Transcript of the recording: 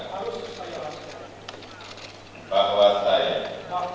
harus saya rahsiakan